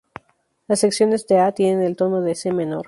Las secciones de A tienen el tono de C menor.